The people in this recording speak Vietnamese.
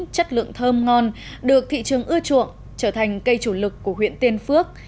chất lượng thơm ngon được thị trường ưa chuộng trở thành cây chủ lực của huyện tiên phước